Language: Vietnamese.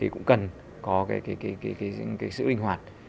cũng cần có sự linh hoạt